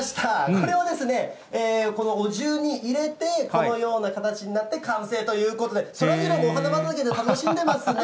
これをですね、このお重に入れて、このような形になって完成ということで、そらジローもお花畑で楽しんでますね。